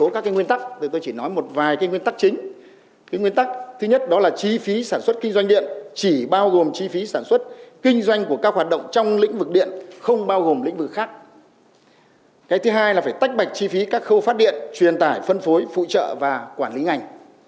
cái thứ hai là phải tách bạch chi phí các khâu phát điện truyền tải phân phối phụ trợ và quản lý ngành